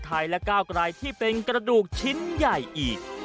และก้าวกลายที่เป็นกระดูกชิ้นใหญ่อีก